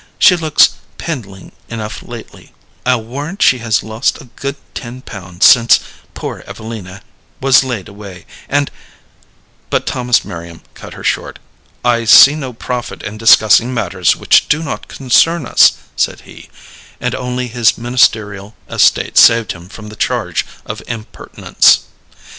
She looks pindling enough lately. I'll warrant she has lost a good ten pound since poor Evelina was laid away, and " But Thomas Merriam cut her short. "I see no profit in discussing matters which do not concern us," said he, and only his ministerial estate saved him from the charge of impertinence.